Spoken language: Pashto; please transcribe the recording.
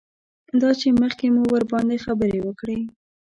دا چې مخکې مو ورباندې خبرې وکړې.